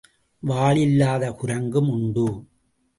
வாலில்லாத குரங்கும் உண்டு.